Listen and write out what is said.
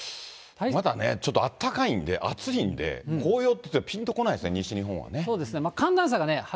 まだね、ちょっとあったかいんで、暑いんで、紅葉ってぴんとこないですね、西日本は。